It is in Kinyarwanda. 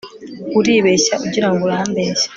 uribeshya ugira ngo urambeshya